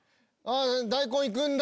大根いくんだ？